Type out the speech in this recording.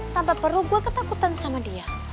tanpa perlu gue ketakutan sama dia